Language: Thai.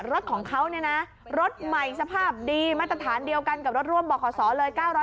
รถของเขาเนี่ยนะรถใหม่สภาพดีมาตรฐานเดียวกันกับรถร่วมบขศเลย